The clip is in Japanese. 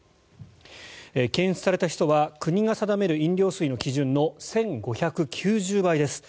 検出されたヒ素は国が定める飲料水の基準の１５９０倍です。